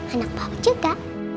anak papa juga